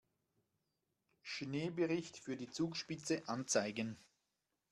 Schneebericht für die Zugspitze anzeigen.